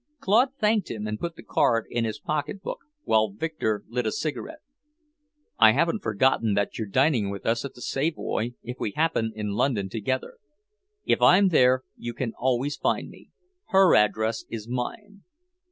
Claude thanked him and put the card in his pocketbook, while Victor lit a cigarette. "I haven't forgotten that you're dining with us at the Savoy, if we happen in London together. If I'm there, you can always find me. Her address is mine.